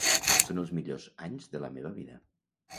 Són els millors anys de la meva vida.